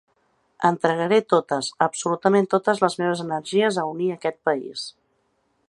Entregaré totes, absolutament totes les meves energies a unir aquest país.